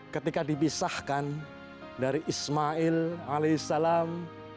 ketika dibisahkan dari ismail alaih salam